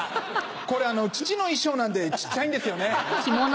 これ父の衣装なんで小っちゃいんですよね。